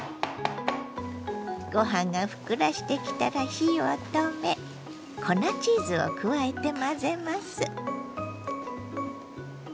ご飯がふっくらしてきたら火を止め粉チーズを加えて混ぜます。